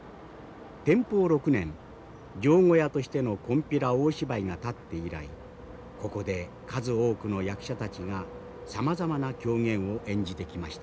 天保６年定小屋としての金毘羅大芝居が建って以来ここで数多くの役者たちがさまざまな狂言を演じてきました。